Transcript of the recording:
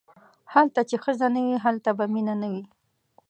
هلته چې ښځه نه وي هلته به مینه نه وي.